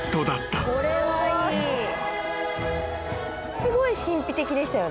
すごい神秘的でしたよね。